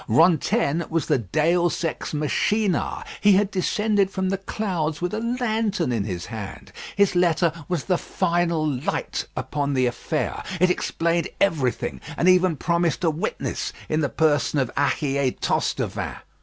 Rantaine was the Deus ex machina. He had descended from the clouds with a lantern in his hand. His letter was the final light upon the affair. It explained everything, and even promised a witness in the person of Ahier Tostevin.